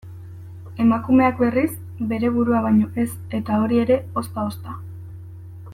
Emakumeak, berriz, bere burua baino ez, eta hori ere ozta-ozta.